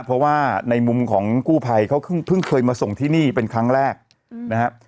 เพราะว่าในมุมของกู้ภัยเขาเพิ่งเคยมาส่งที่นี่เป็นครั้งแรกนะครับ